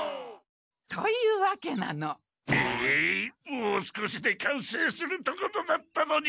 もう少しでかんせいするところだったのに！